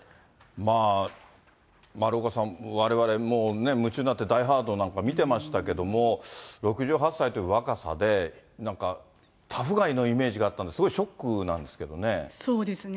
まあ、丸岡さん、われわれ、もうね、夢中になってダイ・ハードなんか見てましたけども、６８歳という若さで、なんかタフガイのイメージがあったんで、すごいショックなんですそうですね。